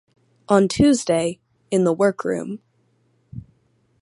On Tuesday, in the work-room.